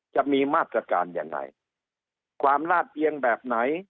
จะมีมาตรการยังไงความลาดเอียงแบบไหน